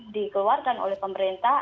dikeluarkan oleh pemerintah